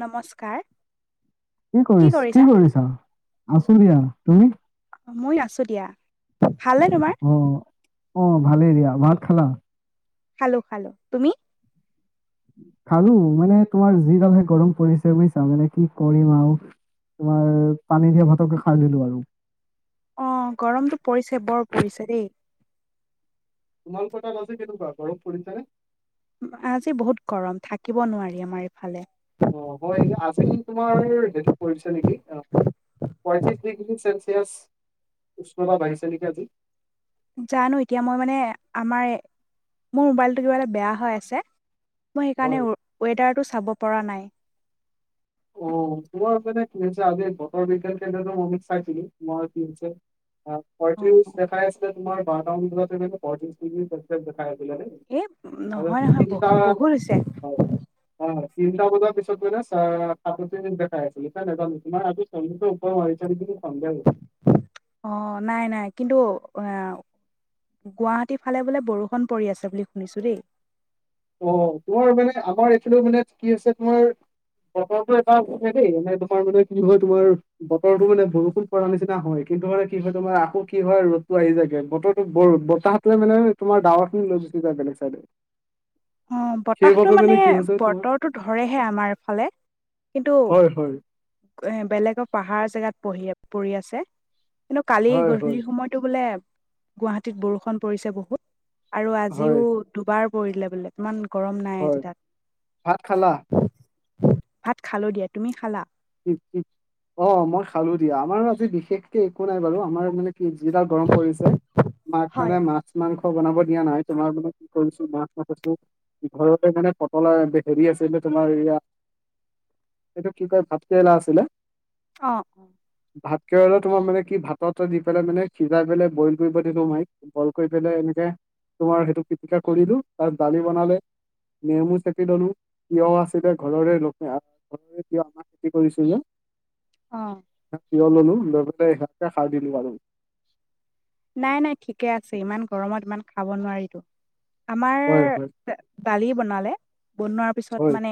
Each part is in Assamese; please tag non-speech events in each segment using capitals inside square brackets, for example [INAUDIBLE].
নমস্কাৰ কি কৰিছ কি কৰিছা আছো দিয়া তুমি? মই আছো দিয়া ভালনে তোমাৰ? অ, অ', ভালেই দিয়া ভাত খালা? খালো খালো তুমি? খালো মানে তোমাৰ যিডালহে গৰম পৰিছে বুজিছা মানে কি কৰিম আৰু তোমাৰ পানী দিয়া ভাতককে খাই লিলো আৰু অ গৰমতটো পৰিছে বৰ পৰিছে দেই তোমালোকৰ তাত আছে কেনেকুৱা গৰফ পৰিছোৰে আজি বহুত গৰম থাকিব নোৱাৰি আমাৰ ইফালে অ হয় আজি তোমাৰ হতিত কৰিছে নেকি পঁয়ত্ৰিশ ডিগ্ৰী চেলছিয়ছ উষ্তা বাইছে নকে আজি জানো এতিয়া মই মানে আমাৰ মোৰ মোবাইলটো কিবা এটা বেয়া হৈ আছে মই হয় সেইকাৰণে ৱেডাৰটো চাব পৰা নাই অ তোমাৰ মানে কি হৈছে আজি বতৰ বিজ্ঞান কেন্দ্ৰ অমিত চাইছিলো তোমাৰ কি হৈছে অ পয়ত্ৰিশ দেখাই আছিলে তোমাৰটা পয়ত্ৰিশ ডিগ চন্ত এ নহয় নহয় বহু বহুত হৈছে হয় ইট বত দিছত মৰে আপ দেখা আহাইছিলে তুমাৰ আ সমু্ৰ উপি অ নাই নাই কিন্তু অ গুৱাহাটীৰ ফালে বোলে বৰষুণ পৰি আছে বুলি শুনিছো দেই অ তোমাৰ মানে আমাৰ এইটোো মানে কি আ হৈছে তোমাৰ বতৰটো এবাৰ দেই ম তোমাৰ মানে কি হয় তোমাৰ বতৰটোো মানে বৰষুণ প নিচিনা হয় কিন্তু মানে কি হয় তোমাৰ আকৌ কি হয় ৰ'দতটো আহি যায়গে বতৰটো বতাহলে মানে তোমাৰ ডাৱৰ খিনি লৈ য াকক চাৰে [INAUDIBLE] অ বতাহতটো মানে কি হৈছে তোমাৰ বতৰটো ধৰেহে আমাৰ ফালে কিন্তু হয়, হয়, এ বেলেগৰ পাহাৰ জেগাত পঢ়ি আ পৰি আছে কিন্তু কালি হয়, হয়, গধূলি সময়তো বোলে গুৱাহাটীত বৰষুণ পৰিছে বহুত আৰু আজিও হয়, দুবাৰ পৰিলে বোলে ইমান গৰম নাই হয় আজি ভাত খালা? তাত ভাত খালো দিয়া তুমি খালা উ উ অ মই খালো দিয়া আমাৰ আজি বিশেষকে একো নাই বাৰু আমাৰ মানে কি যিডাল গৰম পৰিছে মাক মানে হয়। মাছ মাংস বনাব দিয়া নাই তোমাৰ মানে কি কৰিছো মাছ মাথৈছো ঘৰতে মানে পটলা হেৰি আছিল তোমাৰয়া উ এইটো কি কয় ভাতকেৰেলা আছিলে অ অ ভাতকৰে তোমাৰ মানে কি ভাততে দি পেলাই মানে সিজাই পেলাই বইল কৰিব দিিলো ম বইল কৰি পেলাই এনেকে তোমাৰ সেইটো পিটিকা খুলি দিো তাৰ দালি বনালে নেমু চেক লনো তিিয় আছিলে ঘৰৰে ঘৰৰে িয় আমাৰ কি কৰিছো অ ই িয় ললো লৈ পাই এখকে খাই দিলো আৰু নাই নাই ঠিকে আছে ইমান গৰমত ইমান খাব নোৱাৰিতো আমাৰ হয় হয় দালি বনালে বনোৱাৰ পিছত হয় মানে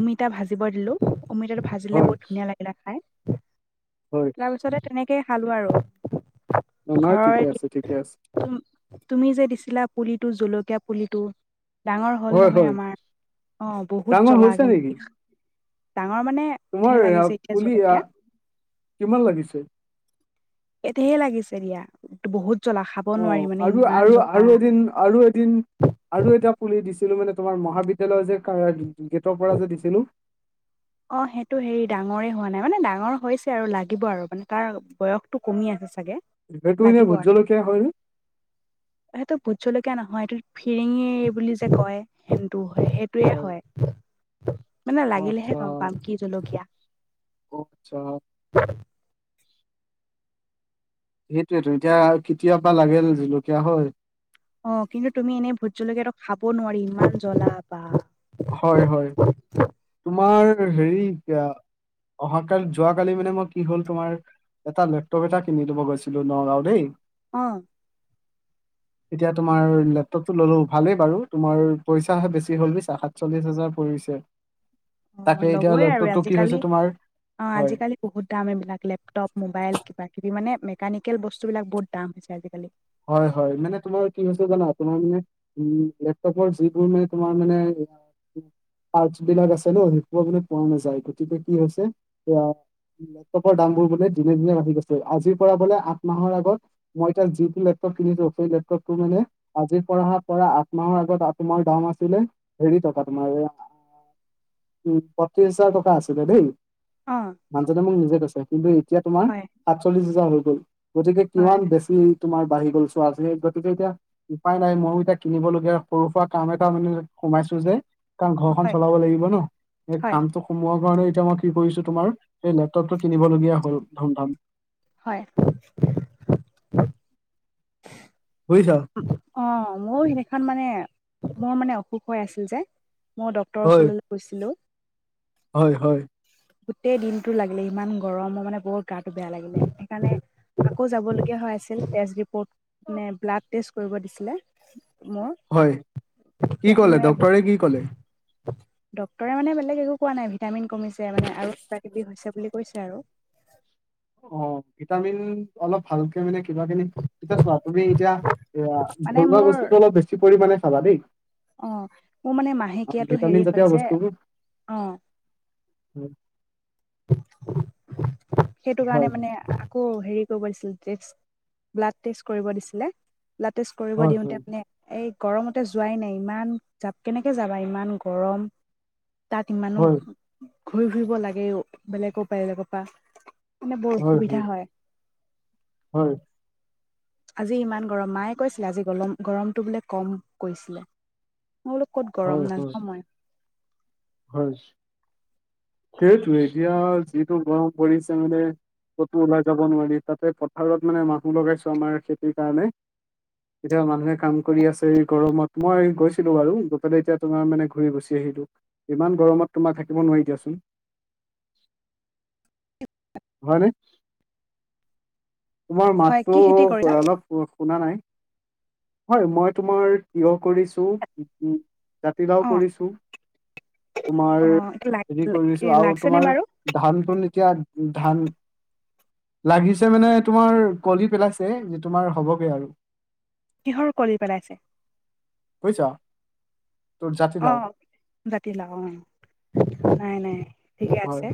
অমিতা ভাজিব দিলো অমৃতটো ভাজিলে হয়, বহুত ধুনীয়া লাগিলে খাই হয়। তাৰপিছতে তেনেকেই খালোঁ আৰু নহয় ঘৰৰ ঠিকে আছে ঠিকে আছে তুমি যে দিছিলা পুলিটো জলকীয়া পুলিটো ডাঙৰ হল হয়, নহয় হয়। আমাৰ অ বহুত ডাঙৰ জলা হৈছে কি নেকি? তোমাৰ পুলি জলকীয়া কিমান লাগিছে এটো হে লাগিছে দিয়া বহুত জ্বলা খাব অ নোৱাৰি মানে আৰু ইমান আৰু জ্বলা আৰু এদিন আৰু এদিন আৰু এটা পুলি দিছে ছিলো মানে তোমাৰ মহাবিদ্যালয় যে গেটৰ পৰা যে দিছিলো অ সেইটো হেৰি ডাঙৰে হোৱা নাই মানে ডাঙৰ হৈছে আৰু লাগিব আৰু মানে তাৰ বয়সতটো কমি আছে সেইটো এনে লাগ ভোট জলকীয়া হয়নে? আৰু সেইটো বুজ জলকীয়া নহয় সটো ফিৰিঙি বুলি যে কয় সটো সেইটোৱে হয়। হয়। মানে অ' লাগিলেহে আচ্ছা, গম পাম কি জলকীয়া [UNINTELLIGIBLE] সেইটোয়েটো এতিয়া কেতিয়া পা লাগে জলকীয়া হয় অ', কিন্তু তুমি এনেই ভোট জলকীয়াতো খাব নোৱাৰি ইমান জ্বলা বা হয়, হয়। তোমাৰ হেৰি অহা কালি যোৱাকালি মানে মই কি হ'ল তোমাৰ এটা লেপটপ এটা কিনি দিব গৈছিলো নগাঁও দেই অ' এতিয়া তোমাৰ লেপটপটো ললো ভালেই বাৰু তোমাৰ পইচাহে বেছি হ'ল বুজিছা সাত চল্লিশ হাজাৰ পৰিছে। তাকে এতিয়া লবই আৰু লেপটপটো কি আজিকালি হৈছে তোমাৰ অ' হয় আজিকালি বহুত দাম এইবিলাক লেপটপ মোবাইল কিবা কিবি মানে মেকানিকেল বস্তুবিলাক বহুত দাম হৈছে আজিকালি হয় হয় মানে তোমাৰ কি হৈছে জানা তোমাৰ মানে উম লেপটপৰ যিবোৰ মানে তোমাৰ মানে পাৰ্টছ বিলাক আছে ন শষ বুলি পোৱা নাযায় গতিকে কি হৈছে এয়া লেপটপৰ দামবোৰ বোলে দিনে দিনে বাঢ়ি গৈছে আজিৰ পৰা বোলে আঠ মাহৰ আগত মই তাৰ লেপটপ কিনিছো সেই লেপটপটো মানে আজি পৰা আঠ মাহৰ আগত তোমাৰ দাম আছিলে হেৰি পাবা তোমাৰ [INAUDIBLE] পঁত্ৰিশ হাজাৰ টকা আছিলে দেই অ', মানুহজনে মোক নিজে কৈছে কিন্তু এতিয়া তোমাৰ হয়, সাতচল্লিশ হাজাৰ হৈ গ'ল গতিকে হয়, কিমান বেছি তোমাৰ বাঢ়ি গ'ল চোৱা আজি গতিকে এতিয়া উপায় নাই মইও এতিয়া কিনিব লগীয়া সৰু সুৰা কাম এটা মানে সোমাইছো যে কাৰণ ঘৰখন হয়, চলাব লাগিব ন এই হয়, কামতো সোমোৱা তে এতিয়া মই কি কৰিছো তোমাৰ সেই লেপটপতটো কিনিবলগীয়া হ'ল ধুমধাম। হয় বুজিছা অ' মোৰ সেইদিনাখন মানে মোৰ মানে অসুখ হৈ আছিল যে মই ডক্টৰ হয় ওচৰলৈ গৈছিলো হয় হয়। গোটেই দিনতটো লাগিলে ইমান গৰমৰ মানে বৰত গাটো বেয়া লাগিলে সেইকাৰণে আকৌ যাব লগীয়া হয়। আছিল তেজ ৰিপৰ্ট নে ব্লাড টেষ্ট কৰিব দিছিলে মোৰ হয় কি তেতিয়া কলে মানে ডক্টৰে কি কলে ডক্তৰে মানে বেলেগ একো কোৱা নাই ভিটামিন কমিছে মানে আৰু কিবা কিবি হৈছে বুলি কৈছে আৰু অ' ভিটামিন অলপ ভালকে মানে কিবা খিনি এয়া চোৱা তুমি এতিয়া এ মানে ঘৰুৱা মোৰ বস্তুটো অলপ বেছি পৰিমানে খাবা দেই অ' মোৰ মানে মাহেকীয়াটো ভিটামিন হেৰি জাতীয় হয় যে বস্তুবোৰ অ' [INAUDIBLE] সেইটো কাৰণে হয় মানে আকৌ হেৰি কৰিব দিছিলে ব্লাড টেষ্ট কৰিব দিছিলে ব্লাড টেষ্ট কৰিব হয় হয় দিওঁতে মানে এই গৰমতে যোৱাই নাই, ইমান জাপ কেনেকে যাবা ইমান গৰম। তাত ইমানো হয় ঘূৰি ফুৰিব লাগে বেলেগৰ পৰা বেলেগৰ পৰা মানে বৰ অসুবিধা হয়। হয়। আজি ইমান গৰম মায়ে কৈছিলে আজি গৰম গৰমটো বোলে কম কৈছিলে মই বোলো ক'ত হয় গৰম হয় নাযাওঁ মই হয় সেইটো এতিয়া যিটো গৰম পৰিচে মানে কতো ওলাই যাব নোৱাৰি তাতে পথাৰত মানে মানুহ লগাইছো আমাৰ খেতিৰ কাৰণে এতিয়া মানুহে কাম কৰি আছে গৰমত মই গৈছিলো বাৰু গৈ পেলাই এতিয়া তোমাৰ মানে ঘূৰি গুচি আহি ইমান গৰমত তোমাৰ থাকিব নোৱাৰি দিয়াচোন। হয় নে তোমাৰ হয় কি মাতটো খেতি কৰিছা অলপ শুনা নাই। হয় মই তোমাৰ তিয়হ কৰিছোঁ, উ, জাতিলাও অ কৰিছোঁ। তোমাৰ অ এইটো লাগ হেৰি কৰিছোঁ আৰু লাগিছে নে তোমাৰ বাৰু ধান ধুন এতিয়া ধান লাগিছে মানে তোমাৰ কলি পেলাইছে যে তোমাৰ হ'বগে আৰু। কিহৰ কলি পেলাইছে? বুজিছা তোৰ জাতিলাও অ' জাতিলাওঁ অ'। নাই নাই। ঠিকে হয় আছে।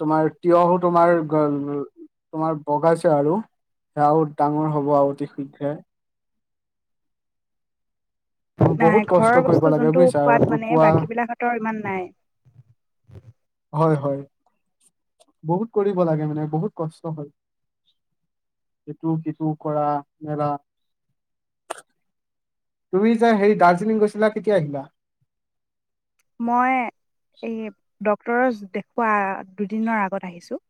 তোমাৰ তিয়হো তোমাৰ তোমাৰ বগাইছে আৰু। সেয়াও ডাঙৰ হ'ব আৰু অতি শীঘ্ৰে। বহুত নাই কষ্ট ঘৰৰ কৰিব বস্তু লাগে যোনটো বুজিছা সোৱাদ মানে পোৱা বাকীবিলাকঁতৰ ইমান নাই। হয় হয়। বহুত কৰিব লাগে মানে বহুত কষ্ট হয়। এটো সেটো কৰা মেলা। তুমি যে হেৰি দাৰ্জিলিং গৈছিলা, কেতিয়া আহিলা? মই এ, ডক ডক্টৰছ দেখুৱা দুদিনৰ আগত আহিছোঁ।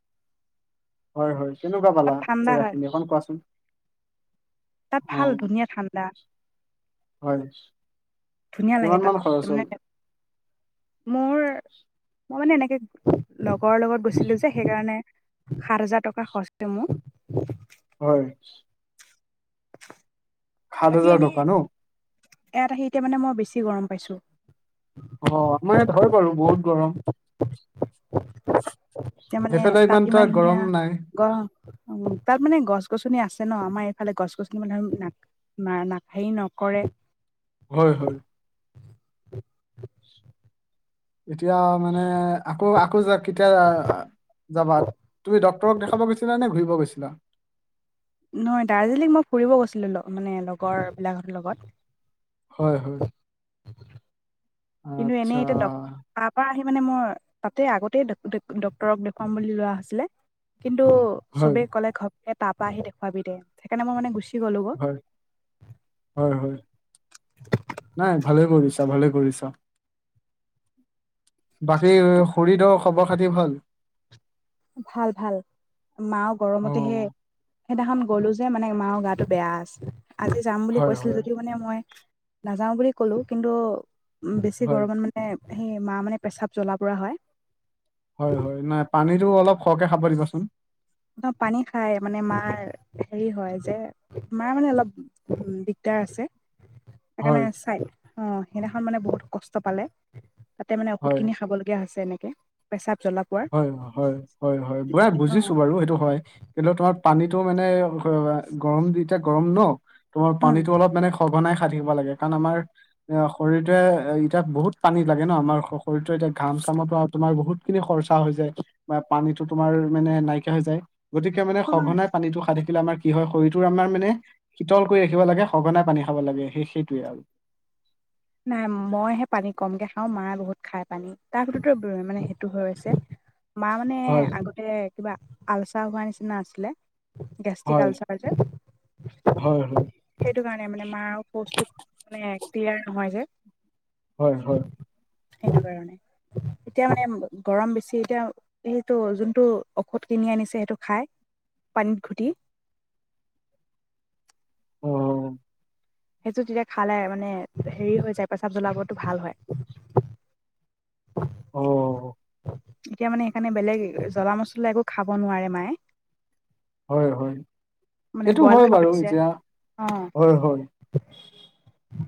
হয় হয়। কেনেকুৱা পালা জেগাখিনি অকণ কোৱাচোন? তাত অ ভাল ধুনীয়া ঠাণ্ডা। হয় ধুনীয়া লাগে কিমান তাত, মান খৰচ হ'ল তাৰানে মোৰ মই মানে এনেকে লগৰ লগত গৈছিলোঁ যে সেইকাৰণে সাত হাজাৰ টকা খৰচ হৈছিলে মোক। হয়। [INAUDIBLE] সাত বাকী হাজাৰ এনেই টকা ন'? ইয়াত আহি এতিয়া মানে মই বেছি গৰম পাইছোঁ। অ' আপোনাৰ ইয়াত হয় বাৰু বহুত গৰম। [INAUDIBLE] এতিয়া মানে সেইফালে তাত এটা ইমান ধুনীয়া গৰম নাই গৰম উ, তাত মানে গছ গছনি আছে ন' আমাৰ এইফালে গছ গছনি মানে না না নখাই হেৰি নকৰে। হয় হয়। এতিয়া মানে আকৌ আকৌ কেতিয়া যাবা? তুমি ডক্তৰক দেখাব গৈছিলা নে ঘূৰিব গৈছি লা নহয় দাৰ্জিলিং মই ফুৰিব গৈছিলোঁ মানে লগৰবিলাকৰ লগত। হয় হয়। কিন্তু আচ্ছা এনেই এতিয়া ডক, তাৰ পৰা আহি মানে মই তাতে আগতেই ডে ড-ডক্তৰক দেখুৱাম বুলি লোৱা হৈছিলে। কিন্তু হয় চবে ক'লে ঘপকে তাৰপা আহি দেখুৱাবি দে, সেইকাৰণে মই মানে গুচি গ'লো গৈ হয়। হয় হয়। নাই ভালে কৰিছ চা ভালেই কৰিছ। বাকী শৰীৰডৰ খবৰ খাতি ভাল? ভাল ভাল। মাওঁ অ গৰমতেহে সেইদিনাখন গ'লো যে মানে মাৰ গাটো বেয়া আছিল। আজি যাম বুলি হয় কৈছিল হয় যদিও মানে মই নাযাও বুলি ক'লো কিন্তু বেছি হয় গৰমত মানে সেয়ে মা মানে পেচাব জ্বলা পুৰা হয়। হয় হয়। নাই পানীটো অলপ সৰহকে খাব দিবাচোন। ন' পানী খাই মানে মাৰ হেৰি হয় যে মাৰ মানে অলপ সেইকাৰণে হয় চাই অ' সেইদিনাখন মানে বহুত কষ্ট পালে। তাতে মানে ঔষধ হয় খিনি খাবলগীয়া হৈছে এনেকে। পেচাপ হয় হয় হয় হয় হয় বুঢ়া অ বুজিছো বাৰু সেইটো হয় কিন্তু তাৰ পানীতটো মানে গৰম দি এতিয়া গৰম ন তোমাৰ উম পানীটো অলপ মানে খবা নাই থাকিব লাগে কাৰণ আমাৰ শৰীৰটে এতিয়া বহুত পানী লাগে ন আমাৰ শৰীৰতে এতিয়া ঘ ামৰ পৰা তোমাৰ বহুতখিনি খৰচা হৈ যায় বা পানীতো তোমাৰ মানে নাইকিয়া হৈ যায় গতিকে মানে সঘনাই পানীটো সাই থাকিলে আমাৰ কি হয় শৰীৰ ত আমাৰ মানে শীতল কৰি ৰাখিব লাগে সঘন পানী খাব লাগে সেই সেইটোৱে আৰু নাই মইহে পানী কমকে খাওঁ মায়ে বহুত খাই পানী তাৰ সৰত ব মানে সেইটো হৈ আছে মা মানে হয় আগতে কিবা আলচাৰ হোৱা নিচিনা আছিলে গেষ্টিক হয় আলচাৰ যেন হয় হয় সেইটো কাৰণে মানে মাৰ পচটো মানে ক্লিয়াৰ নহয় যে হয় হয় সেইটো কাৰণে এতিয়া মানে গৰম বেছি এতিয়া এইটো যোনটো ঔষধ কিনি আনিছে সেইটো খাই পানীত ঘুটি উ সেইটো তেতিয়া খালে মানে হেৰি হৈ যায় প্ৰস্ৰাৱ জ্বলাবতো ভাল হয় হয় অ এতিয়া মানে সেইকাৰণে বেলেগ জ্বলা মছলা একো খাব নোৱাৰে মায়ে হয় হয় মানে সেইটো বইল হয় খাব বাৰু দিছে এতিয়া অ হয় হয়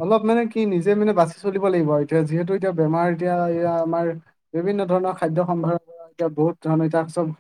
অলপ মানে কি নিজে মানে বাচি চলিব লাগিব এতিয়া যিহেতু এতিয়া বেমাৰ এতিয়া এয়া আমাৰ বিভিন্ন ধৰণৰ খাদ্য সম্ভাৰৰ এতিয়া বহুত ধৰণৰ এতিয়া চব